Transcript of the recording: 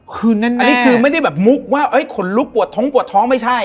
คือแน่อันนี้คือไม่ได้แบบมุกว่าขนลุกปวดท้องไม่ใช่